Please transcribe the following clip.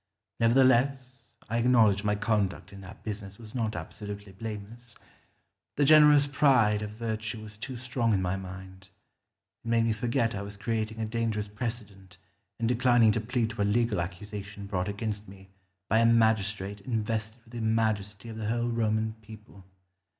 Nevertheless I acknowledge my conduct in that business was not absolutely blameless. The generous pride of virtue was too strong in my mind. It made me forget I was creating a dangerous precedent in declining to plead to a legal accusation brought against me by a magistrate invested with the majesty of the whole Roman people.